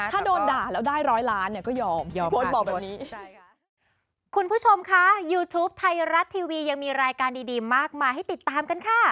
ถ้าโดนด่าแล้วได้ร้อยล้านก็ยอม